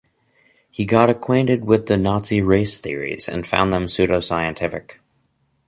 He got acquainted with the Nazi race theories and found them pseudoscientific.